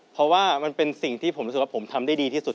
เพราะว่ามันเป็นสิ่งที่ผมรู้สึกว่าผมทำได้ดีที่สุด